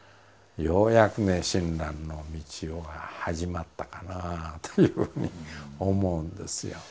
ようやくね親鸞の道が始まったかなあというふうに思うんですよ。